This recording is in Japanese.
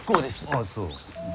ああそう？